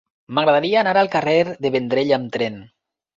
M'agradaria anar al carrer de Vendrell amb tren.